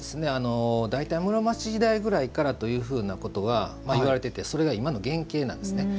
大体室町時代ぐらいからということが言われていてそれが今の原型なんですね。